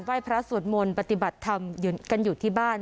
พระสวดมนต์ปฏิบัติธรรมกันอยู่ที่บ้าน